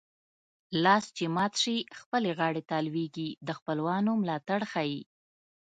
لاس چې مات شي خپلې غاړې ته لوېږي د خپلوانو ملاتړ ښيي